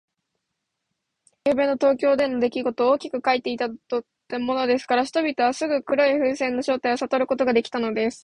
朝の新聞が、ゆうべの東京でのできごとを大きく書きたてていたものですから、人々はすぐ黒い風船の正体をさとることができたのです。